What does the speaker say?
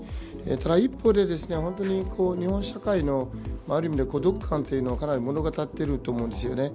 ただ、一方で日本社会の孤独感というのかなり物語っていると思うんです。